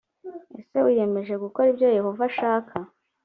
ese wiyemeje gukora ibyo yehova ashaka‽